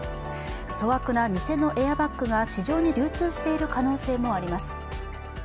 粗悪な偽のエアバッグが市場に流通している可能性もあります。